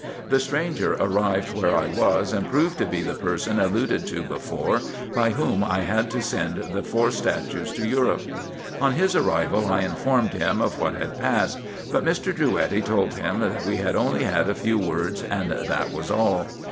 The stranger arrived where I was, and proved to be the person alluded to before, by whom I had to send the four statues to Europe. On his arrival, I informed him of what had passed ; but Mr. Drouetti told him that we had only had a few words, and that was all.